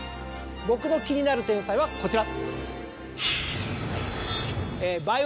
僕の気になる天才はこちら。